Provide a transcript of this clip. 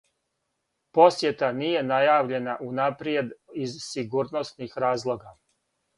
Посјета није најављена унапријед из сигурносних разлога.